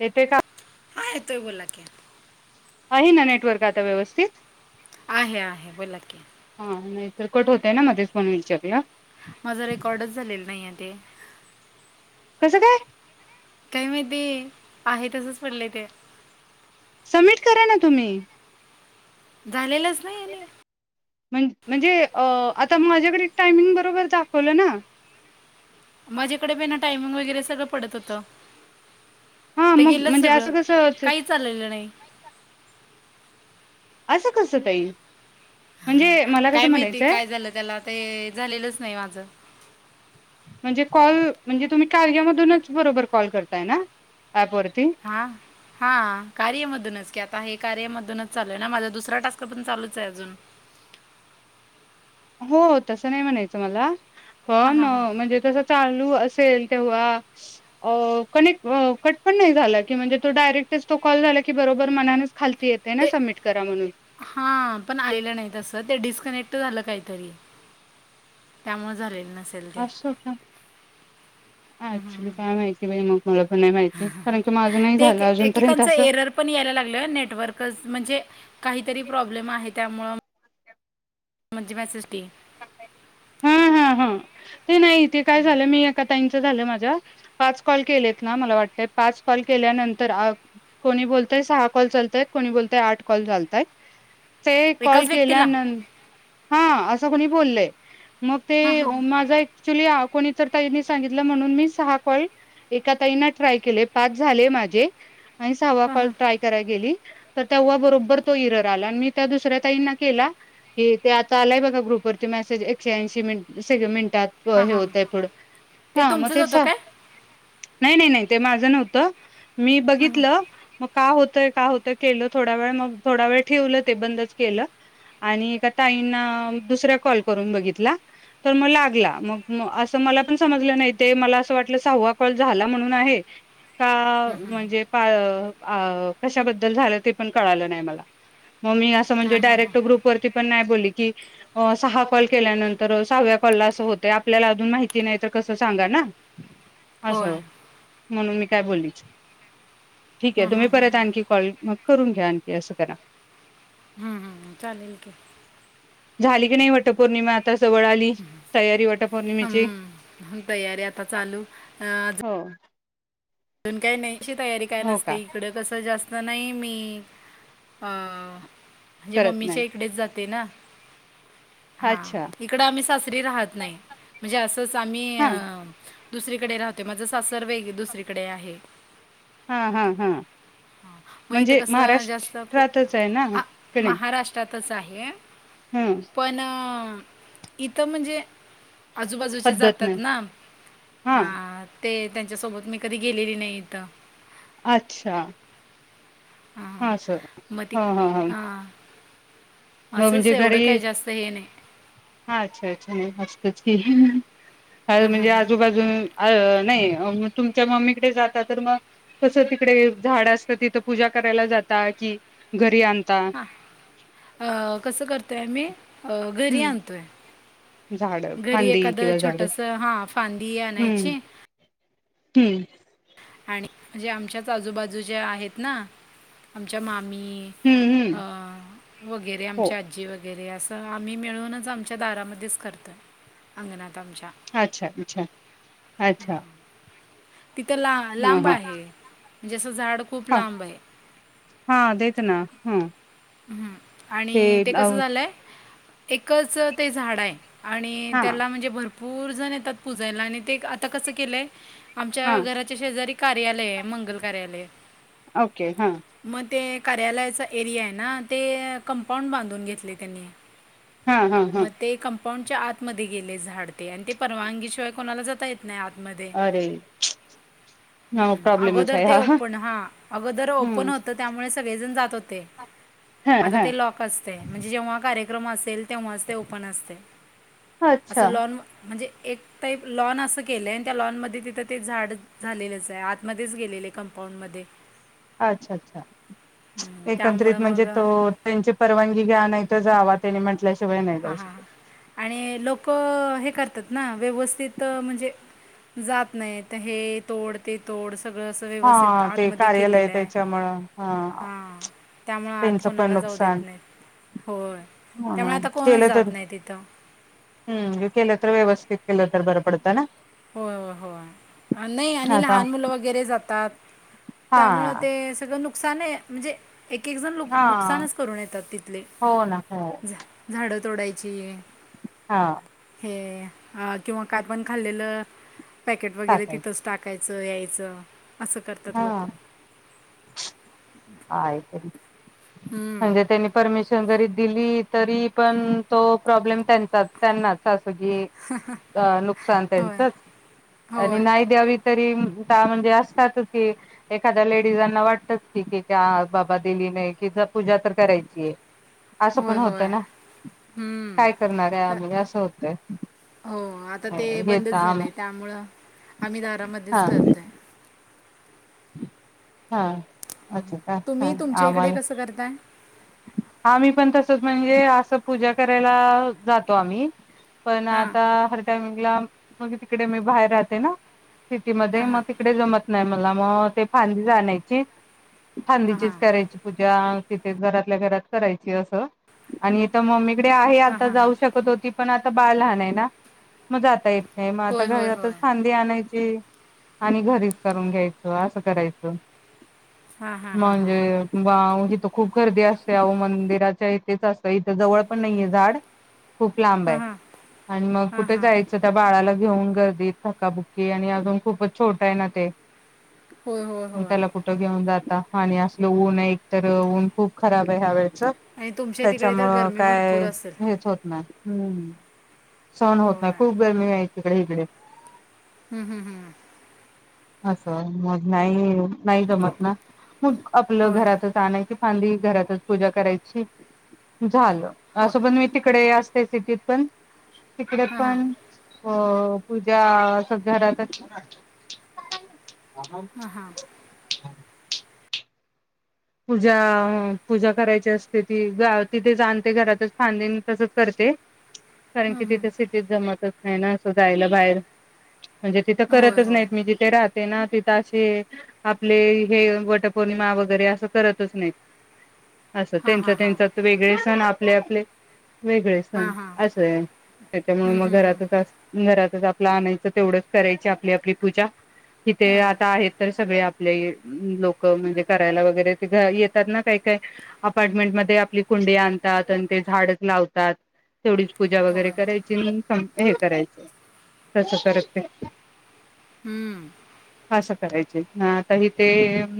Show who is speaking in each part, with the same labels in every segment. Speaker 1: येते का?
Speaker 2: हाय येतोय बोला की.
Speaker 1: आहे आहे ना नेटवर्क आता व्यवस्थित.
Speaker 2: आहे आहे आहे बोलाकी.
Speaker 1: हा नाही तरर कट होतय ना मध्येच म्हण विच आपला
Speaker 2: माझा रेकॉर्डच झालेला नाही आहे ते.
Speaker 1: कसं काय?
Speaker 2: काय माहिती आहे तसच पडलंय ते.
Speaker 1: सबमिट करा ना तुम्ही.
Speaker 2: झालेलंच नाही. आणि
Speaker 1: म म्हणजे अ आता माझ्याकडे टायमिंग बरोबर दाखवलं ना
Speaker 2: माझ्याकडे बी ना टायमिंग वगैरे सगळं पडत होतं
Speaker 1: हा
Speaker 2: ते
Speaker 1: मग
Speaker 2: गेलंच
Speaker 1: म्हणजे
Speaker 2: सगळं,
Speaker 1: असं कसं
Speaker 2: काहीच आलेलं नाही.
Speaker 1: असं कसं ताई. म्हणजे मला कसं म्हणायचंय
Speaker 2: ह्याला त्याला ते झालेलंच नाही माझं
Speaker 1: म्हणजे कॉल म्हणजे तुम्ही कार्या मधूनच बरोबर कॉल करताय ना ऍप वरती
Speaker 2: हां. हा कार्या मधूनच की आता हे कार्यामधूनच चालू आहे ना माझा दुसरा टास्क अजून चालूच आहे अजून
Speaker 1: हो तसं नाही म्हणायचं मला
Speaker 2: हां
Speaker 1: पण
Speaker 2: हां हां
Speaker 1: म्हणजे तस चालू असेल तेव्हा अह कनेक्ट अह कट पण नाही झाला की म्हणजे तो डायरेक्टच तो कॉल झाला की बरोबर मनानेच खालती येत त्यांना सबमिट करा म
Speaker 2: हा पण आलेलं नाही तसं ते डिस्कनेक्ट झालं काहीतरी त्यामुळे झालेल नस
Speaker 1: अस की ऍक्च्युली काय माहिती नाय बाई मला पण नाही माहिती कारण की माझं नाही
Speaker 2: ते एक
Speaker 1: झालं अजूनपर्यंत
Speaker 2: एकेकांचं
Speaker 1: असं.
Speaker 2: एरर पण यायला लागल नेटवर्कच म्हणजे काहीतरी प्रॉब्लेम आहे त्यामूळ म्हणज मेसेज की
Speaker 1: हा हा हा ते नाही तेे काय झालं मी आता त्यां च झालंय माझं पाच कॉल केलेत ना मला वाटत, पाच कॉल केल्यानंतर कोणी बोलतय सहा कॉल चालतायत कोणी बोलतय आठ कॉल चालतात ते कॉल
Speaker 2: एकाच व्यक्तीला
Speaker 1: केल्यानं हा असं कोणी बोललय मग
Speaker 2: हां
Speaker 1: ते
Speaker 2: हां
Speaker 1: माझ ऍक्च्युली कोणीतरी ताईनी सांगितलं म्हणून मी सहा कॉल एका ताईना ट्राय केले पाच झाले माझे आणि सहावा
Speaker 2: हां
Speaker 1: कॉल
Speaker 2: हां
Speaker 1: ट्राय कराय गेली तर तेव्हा बरोबर तो एरर आला, मी त्या दुसऱ्या ताईंना केला कि ते आता आलाय बघा ग्रुपवरती मेसेज एकशे ऐंशी मि [unintelligible] मिनटात हो
Speaker 2: हां
Speaker 1: हे
Speaker 2: हां
Speaker 1: होतय पुढं
Speaker 2: ते
Speaker 1: हा मग
Speaker 2: तुमचंच
Speaker 1: तेच
Speaker 2: होतं
Speaker 1: ओ,
Speaker 2: काय
Speaker 1: नाही नाही नाही ते माझं नव्हतं मी
Speaker 2: हां हां
Speaker 1: बघितलं मग का होतंय का होतंय केलं थोड्या वेळ मग थोडा वेळ ठेवलं ते बंदच केलं आणि एका ताईंना दुसरा कॉल करून बघितला तर मग लागला मग म असं मला पण समजलं नाही ते मला असं वाटलं सहावा कॉल झाला म्हणून आहे का म्हणजे अह अह कशाबद्दल झालं ते पण कळालं नाही मला म मी अस अस म्हणजे
Speaker 2: हां हां हां
Speaker 1: डायरेक्ट ग्रुप वरती पण नाय बोलली की अह सहा कॉल केल्यानंतर सहाव्या कॉलला असं होतं आपल्याला अजून माहिती नाही तर कसं सांगा ना हम्
Speaker 2: होय
Speaker 1: असं
Speaker 2: हां
Speaker 1: म्हणून मी काय बोललीच ठीक आहे तुम्ही
Speaker 2: हां हां
Speaker 1: परत आणखी कॉल मग करून घ्या आणखी असं करा
Speaker 2: हं, चालेल की.
Speaker 1: झाली की नाही वटपौर्णिमा आता जवळ आ ली तयारी वट पौर्णिमेची
Speaker 2: हं. तयारी आता चालू अं,
Speaker 1: हो
Speaker 2: अजून काय न्यायची तयारी काय
Speaker 1: हो का
Speaker 2: नसते इकडं कसं जास्त नाही मी अह म्हणजे
Speaker 1: करत नाही
Speaker 2: मम्मीच्या इकडेच जाते ना हा
Speaker 1: अच्छा
Speaker 2: इकडं आम्ही सासरी राहत नाही म्हणजे असंच आम्ही
Speaker 1: हा
Speaker 2: अह दुसरीकडे राहते माझं सासर दुसरीकडे आहे.
Speaker 1: हा हा हा
Speaker 2: मग इथं
Speaker 1: म्हणजे
Speaker 2: कसं जास्त को-
Speaker 1: महाराष्ट्रातच आहे ना
Speaker 2: आ-
Speaker 1: क नाय?
Speaker 2: महाराष्ट्रातच आहे
Speaker 1: हम्म
Speaker 2: पण इथं म्हणजे आजूबाजूचे
Speaker 1: पद्धत
Speaker 2: जातात
Speaker 1: नाही
Speaker 2: ना
Speaker 1: हा
Speaker 2: ते त्यांच्यासोबत मी कधी गेलेली नाही हित
Speaker 1: अच्छा!
Speaker 2: हां
Speaker 1: हा सर
Speaker 2: मग ती
Speaker 1: हा हा हा
Speaker 2: हां
Speaker 1: मग
Speaker 2: असंच
Speaker 1: म्हणजे
Speaker 2: एवढं
Speaker 1: घरी
Speaker 2: काय जास्त हे नाही
Speaker 1: हा अच्छा अच्छा! मस्तच ह अर म्हणजे आजूबाजू अ अ नाही तुमच्या मम्मीकडे जाता तर मग कस तिकडे झाड असतं तिथं पूजा करायला जाता कि घरी आणता?
Speaker 2: हां अ कसं करतोय आम्ही घरी
Speaker 1: हम्म
Speaker 2: आणतोय.
Speaker 1: झाड
Speaker 2: घरी
Speaker 1: फांदी
Speaker 2: एखादं
Speaker 1: किंवा झाड
Speaker 2: छोटस हा फांदी
Speaker 1: हम्म
Speaker 2: आणायची
Speaker 1: हम्म
Speaker 2: आणि म्हण जे आमच्याच आजूबाजूच्या आहेत ना? आमच्या मामी
Speaker 1: हम्म हम्म
Speaker 2: वगैरे
Speaker 1: हो
Speaker 2: आमच्या आजी वगैरे वगैरे असं आम्ही मिळूनच आमच्या दारामध्येच करतोय अंगणात आमच्या.
Speaker 1: अच्छा अच्छा अच्छा!
Speaker 2: तिथं ला
Speaker 1: ह
Speaker 2: लांब
Speaker 1: ह
Speaker 2: आहे जे असं झाड खूप
Speaker 1: ह
Speaker 2: लांब आहे.
Speaker 1: हा तेच ना हा.
Speaker 2: ह् आणि ते कसं झालंय एकच ते झाड आहे. आणि
Speaker 1: हा
Speaker 2: त्याला म्हणजे भरपूर जण येतात प पुजायला आणि ते आता कसं केलंय
Speaker 1: हा
Speaker 2: आमच्या घराच्या शेजारी कार्यालय आहे मंगल कार्यालय
Speaker 1: ओके हा.
Speaker 2: मग ते कार्यालयाचा एरिया आहे ना ते कंपाऊंड बांधून घेतले त्यांनी
Speaker 1: हा हा हा
Speaker 2: मग ते कंपाऊंडच्या आतमध्ये गेले झाड ते आणि ते परवानगीशिवाय कोणाला जाता येत नाही आतमध्ये.
Speaker 1: अरे! [inaudible]
Speaker 2: हम्म
Speaker 1: प्रॉब्लेमच
Speaker 2: अगोदर
Speaker 1: आहे
Speaker 2: ते
Speaker 1: हा
Speaker 2: ओपन हा अगोदर ओपन
Speaker 1: हम्म
Speaker 2: होतं त्यामुळे सगळेजण जात होते.
Speaker 1: हा
Speaker 2: आता
Speaker 1: हा
Speaker 2: ते लॉक असते म्हणजे जेव्हा कार्यक्रम असेल तेव्हाच ते ओपन असते असं
Speaker 1: अच्छा
Speaker 2: लॉन म्हणजे एक तर लॉन असं केलंय त्या लॉन मध्ये तिथं ते झाड झालेलंच आहे आतमध्येच गेलेले कंपाऊंड मध्ये
Speaker 1: ह अच्छा अच्छा
Speaker 2: हम्म, त्यामुळे
Speaker 1: एकंद्रित म्हणजे तो
Speaker 2: मग
Speaker 1: त्यांची परवानगी घ्या नाही तर जावा. त्यांनी म्हटल्याशिवाय नाही
Speaker 2: हां
Speaker 1: जाऊ शकत.
Speaker 2: हां आणि लोक हे करतात ना व्यवस्थित म्हणजे जात नाही तर हे तोड ते तोड सगळं व्यवथ
Speaker 1: हा ते
Speaker 2: आतमध्ये केले
Speaker 1: कार्यालय त्याच्यामुळं
Speaker 2: ह
Speaker 1: हा
Speaker 2: त्यामुळे
Speaker 1: त्यांचं पण
Speaker 2: कोणाला जाऊ देत
Speaker 1: नुकसान
Speaker 2: नाहीत होय
Speaker 1: हो
Speaker 2: त्यामुळे
Speaker 1: ना
Speaker 2: आता कोणच जात नाही तिथं.
Speaker 1: हम् केलंत व्यवस्थित केलंत बर पडत ना?
Speaker 2: होय हो होय नाही आणि
Speaker 1: आता
Speaker 2: लहान मुलं वगैरे जातात.
Speaker 1: हा
Speaker 2: त्यामुळे ते सगळं नक नुकसान म्हणजे एक एक जण लुक
Speaker 1: हा
Speaker 2: नुकसानच करून येतात तिथले
Speaker 1: हो ना हो
Speaker 2: झाडं तोडायची
Speaker 1: हा
Speaker 2: हे किंवा काय पण खाल्लेलं पॅकेट वगैरे
Speaker 1: टाकायच
Speaker 2: तिथच टाक टाकायचं यायचं असं करतात
Speaker 1: हा
Speaker 2: लोक. हम्म,
Speaker 1: म्हणजे त्यांनी परमिशन जरी दिली तरी पण तो प्रॉब्लेम त्यांचा त्यांनाच अस की अ नुकसान
Speaker 2: होय
Speaker 1: त्यांचच आणि
Speaker 2: होय
Speaker 1: नाही द्यावी. तरी म्हणजे असतातच की एखाद्या लेडीजांना वाटत की त्या बाबा दिली नाही कि ज पूजा तर करायचीय. असं पण
Speaker 2: होय
Speaker 1: होतय
Speaker 2: होय
Speaker 1: ना
Speaker 2: हम्म.
Speaker 1: काय करणार
Speaker 2: तर
Speaker 1: आहेम असं होत.
Speaker 2: हो आता ते बंदच झालंय त्यामुळं आम्ही दारामध्येच
Speaker 1: हा
Speaker 2: करतय.
Speaker 1: हा अच्छा! का हा
Speaker 2: तुम्ही तुमच्या इकडे
Speaker 1: आम्हाला.
Speaker 2: कसं करताय
Speaker 1: आम्ही पण तसच म्हणजे असं पूजा करायला जातो आम्ही. पण
Speaker 2: हां
Speaker 1: आता हर टमंगला मग तिकडे मी बाहेर राहते ना सिटीमध्ये
Speaker 2: हां
Speaker 1: मग
Speaker 2: हां
Speaker 1: त. इकडे जमत नाही मला मग ते फांदी जाायची
Speaker 2: हां
Speaker 1: फांदीचीच
Speaker 2: हां
Speaker 1: करायची. पूजा किथे घरातल्या घरात करायची असं आणि इथ मम्मीकडे आहे
Speaker 2: हां
Speaker 1: आता
Speaker 2: हां हां
Speaker 1: जाऊ शकत. जात होती पण आता बाळ लहान आहे ना मत जाता येत नाही मग आता
Speaker 2: होय होय
Speaker 1: घरातच
Speaker 2: होय
Speaker 1: आणायची आणि घरीच करून घ्यायच असं करायचं.
Speaker 2: हां हां हां हां
Speaker 1: म्हणजे तिथं खूप गर्दी असते. मंदिराच्या इथेच असत इथ जवळ पण नाहीये झाड. खूप लांब
Speaker 2: हां
Speaker 1: आहे
Speaker 2: हां
Speaker 1: आणि मग
Speaker 2: हां
Speaker 1: कुठे
Speaker 2: हां
Speaker 1: जायचं. त्या बाळाला घेऊन गर्दीत धक्काबुक्की आणि अजून खूपच छोट आहे ना ते.
Speaker 2: हो हो.
Speaker 1: त्याला कुठं घेऊन जाता आणि असल ऊन एक तर ऊन खूप खराब आहे ह्या वेळच.
Speaker 2: आणि तुमच्या तिकडे तर
Speaker 1: त्याच्यामुळं
Speaker 2: गरमी भरपूर
Speaker 1: काय
Speaker 2: असेल
Speaker 1: हेच होत नाही हम्. सण होत नाही
Speaker 2: होय
Speaker 1: खूप गरमी आहे तिकडे इकडे.
Speaker 2: हम् हम हम्.
Speaker 1: असं मग नाही नाही जमत ना मग आपलं
Speaker 2: होय होय
Speaker 1: घरातच आणायची. कांदी घरातच पूजा करायची झाल
Speaker 2: होय
Speaker 1: असं पण मी तिकडे असते ति त. पण तिकडे
Speaker 2: हां हां
Speaker 1: पण अ पूजा स घरातच. ह. [unintelligible]
Speaker 2: हा.
Speaker 1: पूजा पूजा करायची असते ती तिथे जाणते घरातच खांद तसच करते. कारण की
Speaker 2: हं,
Speaker 1: तिथे
Speaker 2: हं.
Speaker 1: सिटीत जमतच नाही ना असं जायला बाहेर. म्हणजे तिथं
Speaker 2: होय
Speaker 1: करतच
Speaker 2: होय
Speaker 1: नाहीत मी जिथे राहत. ना तिथे आपले हे वटपौर्णिमा वगैरे अस. करतच नाही अस
Speaker 2: हां
Speaker 1: त्यां
Speaker 2: हां हां
Speaker 1: त्यांच्या वेगळे सण आपले आपले. वेगळे
Speaker 2: हां
Speaker 1: सण
Speaker 2: हां
Speaker 1: असंय त्याच्यामुळे
Speaker 2: हं,
Speaker 1: मग
Speaker 2: हं, हं.
Speaker 1: घरातच अस. घरातच आपला आणायचं तेवढंच करायची आपली आपली पूजा कि ते
Speaker 2: हां.
Speaker 1: आता आहेत. तर सगळे आपले लोक म्हणजे करायला वगैरे ते घ येतात ना काही काय. अपार्टमेंटमध्ये आपली कुंडी आणतात आणि ते झाड लावतात. तेवढीच पूजा वगैरे
Speaker 2: होय
Speaker 1: करायची हे करायच तस करक ते.
Speaker 2: हम्म.
Speaker 1: असं करायचं हिते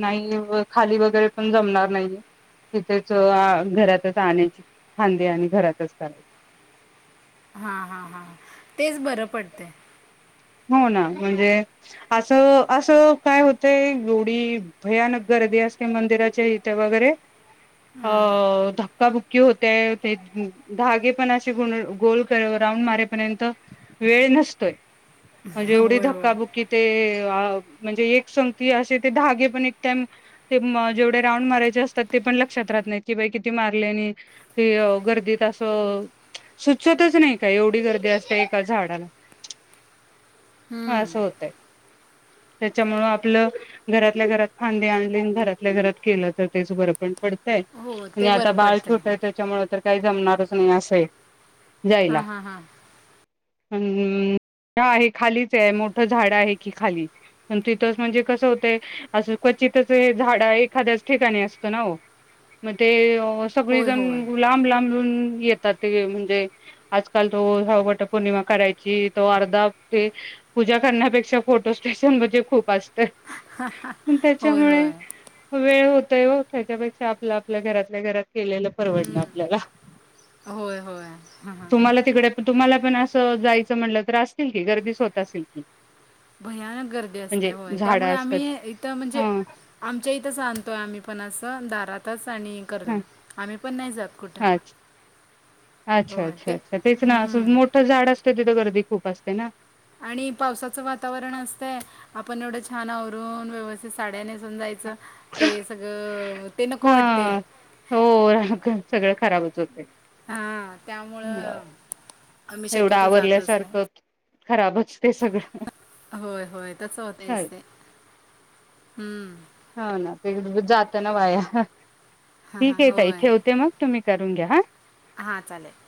Speaker 1: नाही खाली वगरे. पण जमणार नाहीये तिथेच घरातच आणायची फांदी आणि घरातच करायची.
Speaker 2: हा हा हा तेच बरं पडतंय.
Speaker 1: हो ना म्हणजे असं असं काय होतंय एवढी भयानक गर्दी असते मंदिराच्या इथे वगैरे धक्का क्काबुक्की होतेते धागे पण असे ग गोल राऊंड मारेपर्यंत. वेळ नसतोय. म्हणजे एवढी
Speaker 2: होय होय
Speaker 1: धक्काबुक्की ते म्हणजे एक संगती असे ते धागे पण एक टाइम. ते जेवढे राऊंड मारयचे असतात ते पण लक्षात राहत नाही कि बाई किती मारले आणि की गर्दीत असं सुचतच नाही का एवढी गर्दी असते एका झाडाला. हा
Speaker 2: हं.
Speaker 1: असं होतय त्याच्यामुळं आपलं घरातल्या घरात खांदी आणली आणि घरातल्या घरात केलं तर तेच बरं पण पडतंय.
Speaker 2: हो
Speaker 1: आणि
Speaker 2: ते
Speaker 1: आता
Speaker 2: बरं
Speaker 1: बाळ
Speaker 2: पडतंय
Speaker 1: छोट आहे त्याच्यामुळे तर काही जमणारच नाही अस जायला
Speaker 2: हां हां हां
Speaker 1: अ हा आहे खालीच आहे मोठं झाड आहे की खाली पण तिथंच म्हणजे कसं होतंय असं क्वचितच झाड एखाद्याच ठिकाणी असतो ना हो मग ते सगळी
Speaker 2: होय
Speaker 1: जण
Speaker 2: होय
Speaker 1: लांब लांब लून येतात ते म्हणजे आजकाल तो हवट पौर्णिमा करायची तो अर्धा ते पूजा करण्यापेक्षा फोटो स्टेशन म्हणे खूप असते
Speaker 2: होय
Speaker 1: त्याच्यामुळे
Speaker 2: होय
Speaker 1: वेळ होतय व त्याच्यापेक्षा आपलं आपल्या घरातल्या घरात केलेलं परवडलं आपल्याला
Speaker 2: होय होय हां हां
Speaker 1: तुम्हाला तिकडे तुम्हाला पण असं जायचं म्हटलं त्र असतील की गर्दीच होत असेल की.
Speaker 2: भयानक गर्दी असते
Speaker 1: म्हणजे
Speaker 2: होय
Speaker 1: झाड
Speaker 2: त्यामुळे
Speaker 1: असतात
Speaker 2: आम्ही इथ म्हणजे.
Speaker 1: हा
Speaker 2: आमच्या इथंच आणतोय आम्ही पण असं दारातच आणि करू
Speaker 1: हा
Speaker 2: आम्ही पण नाही जात कुठं
Speaker 1: अच्छा अच्छा
Speaker 2: होय
Speaker 1: अच्छा
Speaker 2: ते
Speaker 1: अच्छा तेच ना अस
Speaker 2: हं.
Speaker 1: मोठं झाड असत तिथं गर्दी खूप असते ना
Speaker 2: आणि पावसाचं वातावरण असतय आपण एवढं छान आवरून व्यवस्थित साड्या न समजायचं ते सगळं ते नको वाटते
Speaker 1: हा हो रा सगळं खराबच होते
Speaker 2: हां त्यामुळं आम्ही
Speaker 1: एवढं
Speaker 2: शक्यतो जातच
Speaker 1: आवरल्यासारखं
Speaker 2: नाही
Speaker 1: खराबच ते सगळं
Speaker 2: होय होय तच होतेच ते हम्म
Speaker 1: हो ना ते जात ना वाया
Speaker 2: हां
Speaker 1: ठीक
Speaker 2: हां
Speaker 1: आहेेत
Speaker 2: होय
Speaker 1: इथे होते मग तुम्ही करून घ्या ह
Speaker 2: हां चालेल